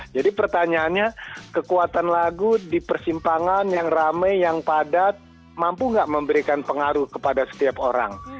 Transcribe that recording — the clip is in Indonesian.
jadi pertanyaannya kekuatan lagu di persimpangan yang rame yang padat mampu gak memberikan pengaruh kepada setiap orang